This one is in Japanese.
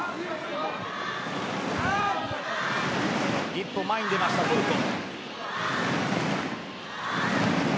一歩前に出ました、トルコ。